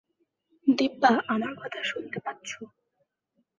দিব্যা, আমার কথা শোনতে পাচ্ছ?